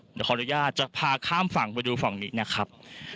เดี๋ยวขออนุญาตจะพาข้ามฝั่งไปดูฝั่งนี้นะครับ